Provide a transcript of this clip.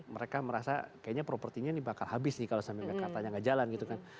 jadi mereka merasa kayaknya propertinya ini bakal habis nih kalau sampai kartanya gak jalan gitu kan